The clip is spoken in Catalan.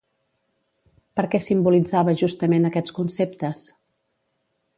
Per què simbolitzava justament aquests conceptes?